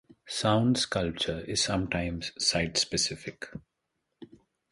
Sound sculpture is sometimes site-specific.